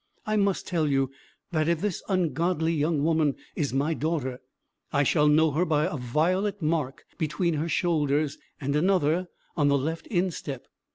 I must tell you, that if this ungodly young woman is my daughter, I shall know her by a violet mark between her shoulders, and another on the left instep.